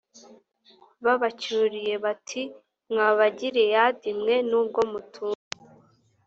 babacyuriye bati mwa bagileyadi mwe nubwo mutuye